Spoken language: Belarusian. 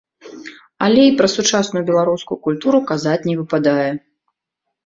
Але і пра сучасную беларускую культуру казаць не выпадае.